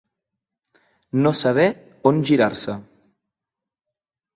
No saber on girar-se.